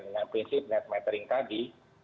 dengan prinsip net mattering tadi